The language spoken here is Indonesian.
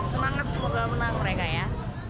semangat semoga menang mereka ya